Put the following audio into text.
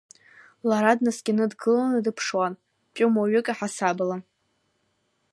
Лара днаскьаны дгыланы дыԥшуан, тәымуаҩык иаҳасабала.